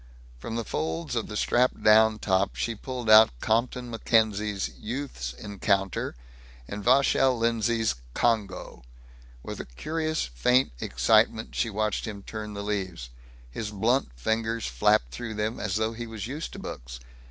From the folds of the strapped down top she pulled out Compton Mackenzie's Youth's Encounter, and Vachel Lindsay's Congo. With a curious faint excitement she watched him turn the leaves. His blunt fingers flapped through them as though he was used to books.